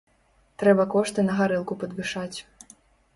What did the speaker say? Трэба кошты на гарэлку падвышаць.